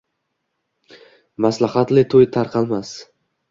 Maslahatli to’y tarqamas.